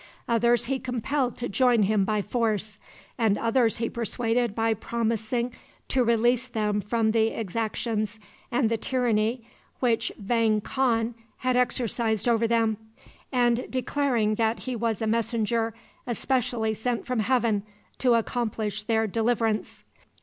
Others he compelled to join him by force, and others he persuaded by promising to release them from the exactions and the tyranny which Vang Khan had exercised over them, and declaring that he was a messenger especially sent from heaven to accomplish their deliverance.